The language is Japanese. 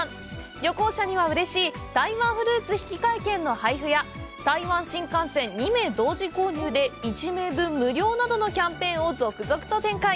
旅行者にはうれしい「台湾フルーツ引換券の配布」や「台湾新幹線２名同時購入で１名分無料」などのキャンペーンを続々と展開。